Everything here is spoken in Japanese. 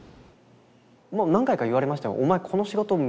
何回か言われましたよ。